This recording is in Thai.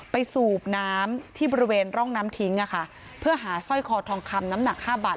สูบน้ำที่บริเวณร่องน้ำทิ้งอะค่ะเพื่อหาสร้อยคอทองคำน้ำหนักห้าบาท